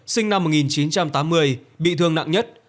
sinh năm một nghìn chín trăm tám mươi bị thương nặng nhất